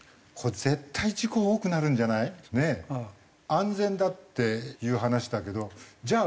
安全だっていう話だけどじゃあ